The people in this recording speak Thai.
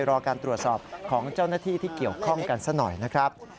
รอการตรวจสอบของเจ้าหน้าที่ที่เกี่ยวข้องกันซะหน่อยนะครับ